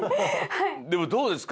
でもどうですか？